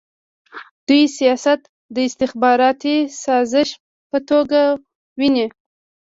دوی سیاست د استخباراتي سازش په توګه ویني.